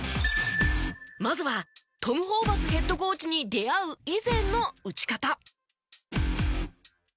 まずはトム・ホーバスヘッドコーチに出会う以前の打ち方。